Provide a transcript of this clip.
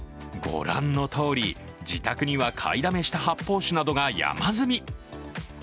ご覧のとおり、自宅には買いだめした発泡酒などが山積み。